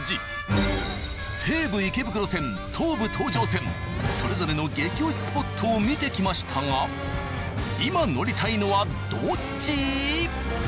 西武池袋線東武東上線それぞれの激推しスポットを見てきましたが今乗りたいのはどっち？